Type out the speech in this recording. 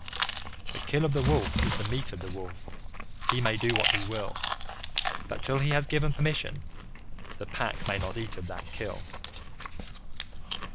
The Kill of the Wolf is the meat of the Wolf. He may do what he will, But, till he has given permission, the Pack may not eat of that Kill.